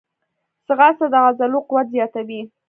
ځغاسته د عضلو قوت زیاتوي